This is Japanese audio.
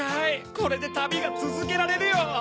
これでたびがつづけられるよ！